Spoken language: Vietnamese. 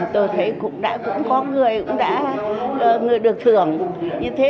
tôi thấy cũng đã cũng có người cũng đã người được thưởng như thế